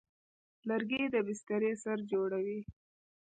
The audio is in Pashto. لرګی د بسترې سر جوړوي.